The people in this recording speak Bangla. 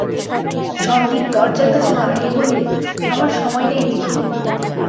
সন্দীপ দরজার কাছে দাঁড়িয়ে বললে, আমার সময় নেই নিখিল।